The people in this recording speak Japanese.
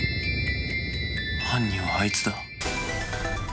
犯人はあいつだ。